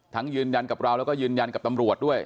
ยืนยันกับเราแล้วก็ยืนยันกับตำรวจด้วย